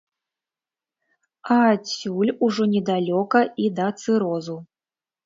А адсюль ужо недалёка і да цырозу.